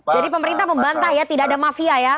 jadi pemerintah membantah ya tidak ada mafia ya